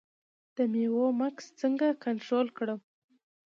د میوو مګس څنګه کنټرول کړم؟